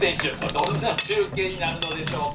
どんな中継になるのでしょうか。